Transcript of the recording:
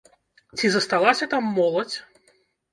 Ці засталася там моладзь?